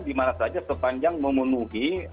dimana saja sepanjang memenuhi